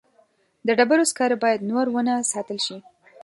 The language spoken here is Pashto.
د ډبرو سکاره باید نور ونه ساتل شي.